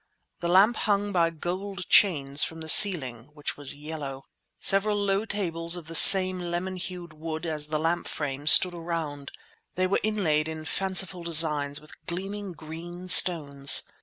The lamp hung by gold chains from the ceiling, which was yellow. Several low tables of the same lemon hued wood as the lamp frame stood around; they were inlaid in fanciful designs with gleaming green stones.